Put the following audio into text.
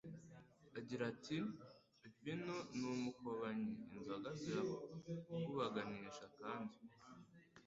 agira ati: "Vino ni umukobanyi, inzoga zirakubaganisha kandi